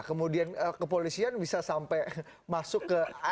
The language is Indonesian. kemudian kepolisian bisa sampai masuk ke